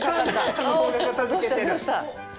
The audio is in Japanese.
どうしたどうした。